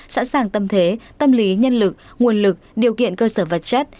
sẵn sàng tâm thế tâm lý nhân lực nguồn lực điều kiện cơ sở vật chất